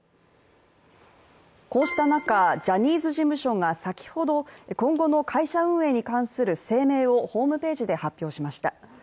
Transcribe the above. こうした中、ジャニーズ事務所が先ほど今後の会社運営に関する声明をホームページで発表しました。